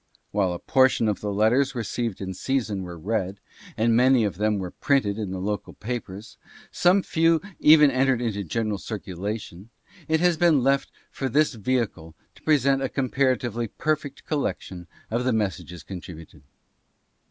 While a portion of the letters received in season were read, and many of them were printed in the local papers, and some few even entered into general circulation, it has been left for this vehicle to present a comparatively perfect collection of the mes sages contributed.